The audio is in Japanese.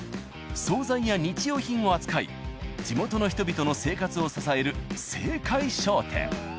総菜や日用品を扱い地元の人々の生活を支える「生海商店」。